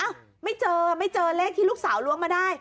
ไม่เจอไม่เจอเลขที่ลูกสาวล้วงมาได้